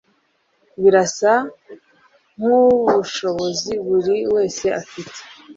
Birasa nkubushobozi buri wese afite.